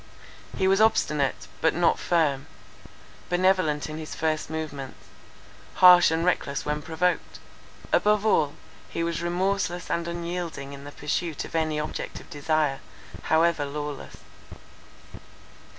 He was obstinate, but not firm; benevolent in his first movements; harsh and reckless when provoked. Above all, he was remorseless and unyielding in the pursuit of any object of desire, however lawless.